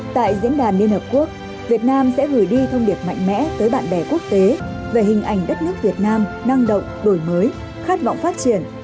tại diễn đàn liên hợp quốc việt nam sẽ gửi đi thông điệp mạnh mẽ tới bạn bè quốc tế về hình ảnh đất nước việt nam năng động đổi mới khát vọng phát triển